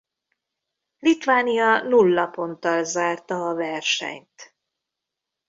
Litvánia nulla ponttal zárta a versenyt.